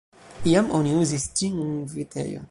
Iam oni uzis ĝin en vitejo.